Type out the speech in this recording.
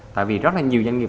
tại vì rất là nhiều doanh nghiệp